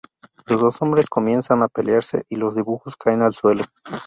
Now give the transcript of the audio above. Los dos hombres comienzan a pelearse y los dibujos caen al suelo.